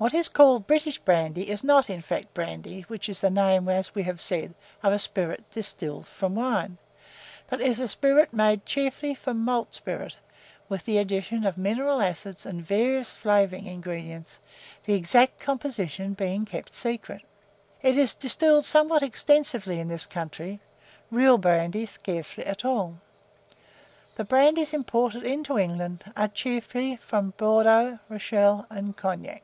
What is called British brandy is not, in fact, brandy, which is the name, as we have said, of a spirit distilled from wine; but is a spirit made chiefly from malt spirit, with the addition of mineral acids and various flavouring ingredients, the exact composition being kept secret. It is distilled somewhat extensively in this country; real brandy scarcely at all. The brandies imported into England are chiefly from Bordeaux, Rochelle, and Cognac.